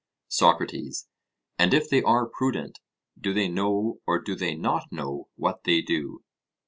SOCRATES: And if they are prudent, do they know or do they not know what they do?